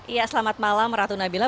iya selamat malam ratu nabila